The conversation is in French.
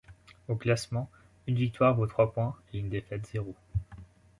Au classement, une victoire vaut trois points et une défaite zéro.